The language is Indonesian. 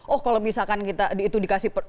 oh kalau misalkan kita itu dikasih